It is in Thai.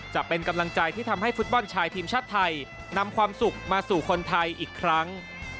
จะเป็นกำลังใจที่ทำให้ฟุตบอลชายทีมชาติไทยนำความสุขมาสู่คนไทยอีกครั้ง